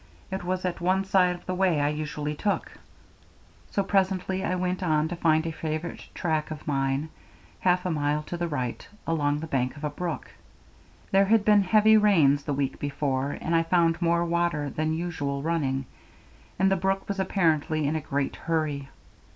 It was at one side of the way I usually took, so presently I went on to find a favorite track of mine, half a mile to the right, along the bank of a brook. There had been heavy rains the week before, and I found more water than usual running, and the brook was apparently in a great hurry.